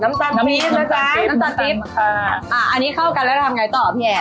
น้ำตาติ๊บน้ำตาติ๊บค่ะอ่าอันนี้เข้ากันแล้วทำไงต่อพี่แอน